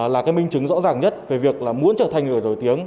là cái minh chứng rõ ràng nhất về việc là muốn trở thành người nổi tiếng